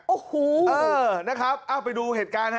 โอ้โหเออนะครับเอาไปดูเหตุการณ์ฮะ